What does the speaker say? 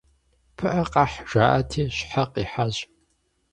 «Пыӏэ къэхь» жаӏати, щхьэ къихьащ.